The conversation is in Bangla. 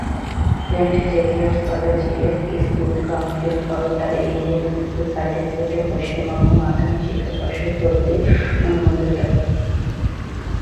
Saint Xavier's Collegiate School Council for the Indian School Certificate ও পশ্চিমবঙ্গ মাধ্যমিক শিক্ষা পর্ষদ কর্তৃক অনুমোদিত।